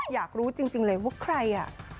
อยากรู้จริงเลยว่าใครอ่ะ